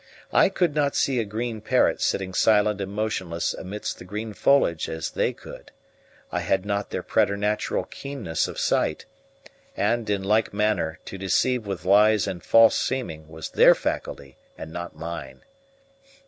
I could not see a green parrot sitting silent and motionless amidst the green foliage as they could; I had not their preternatural keenness of sight; and, in like manner, to deceive with lies and false seeming was their faculty and not mine.